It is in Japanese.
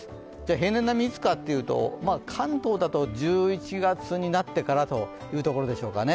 平年並みはいつかというと、関東だと１１月になってからでしょうね。